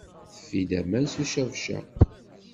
Teffi-d aman s ucabcaq.